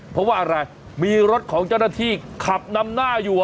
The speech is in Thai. เพราะว่าอะไรมีรถของเจ้าหน้าที่ขับนำหน้าอยู่